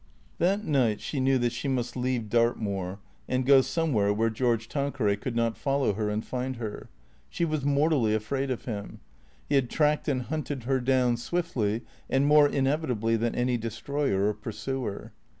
LXIII THAT night she knew that she must leave Dartmoor, and go somewhere where George Tanqueray could not follow her and find her. She was mortally afraid of him. He had tracked and hunted her down swiftly and more inevitably than any de stroyer or pursuer.